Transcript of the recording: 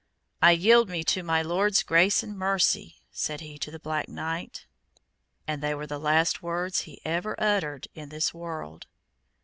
"I yield me to my Lord's grace and mercy," said he to the black knight, and they were the last words he ever uttered in this world.